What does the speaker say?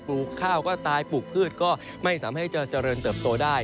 ลูกข้าวก็ตายปลูกพืชก็ไม่สามารถให้จะเจริญเติบโตได้